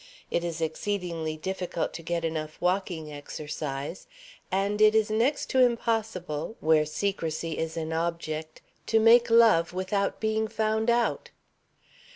It is exceedingly difficult to get enough walking exercise; and it is next to impossible (where secrecy is an object) to make love without being found out.